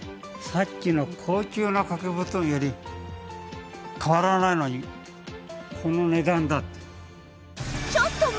さっきの高級な掛け布団より変わらないのにこの値段だって。